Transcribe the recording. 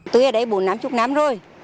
tôi ở đây bốn mươi năm chục năm rồi